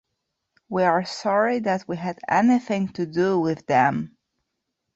We are sorry that we had anything to do with them.